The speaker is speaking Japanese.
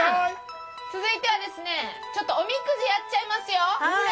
続いてはですね、ちょっとおみくじやっちゃいますよ。